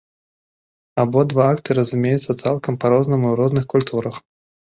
Абодва акты разумеюцца цалкам па-рознаму ў розных культурах.